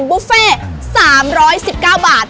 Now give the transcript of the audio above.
บุฟเฟ่๓๑๙บาท